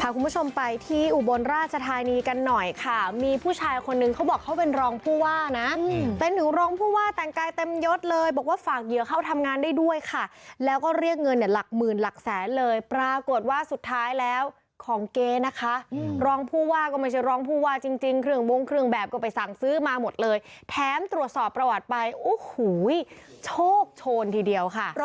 พาคุณผู้ชมไปที่อุบลราชธานีกันหน่อยค่ะมีผู้ชายคนนึงเขาบอกเขาเป็นรองผู้ว่านะเป็นถึงรองผู้ว่าแต่งกายเต็มยดเลยบอกว่าฝากเหยื่อเข้าทำงานได้ด้วยค่ะแล้วก็เรียกเงินเนี่ยหลักหมื่นหลักแสนเลยปรากฏว่าสุดท้ายแล้วของเก๊นะคะรองผู้ว่าก็ไม่ใช่รองผู้ว่าจริงจริงเครื่องบงเครื่องแบบก็ไปสั่งซื้อมาหมดเลยแถมตรวจสอบประวัติไปโอ้โหโชคโชนทีเดียวค่ะรอง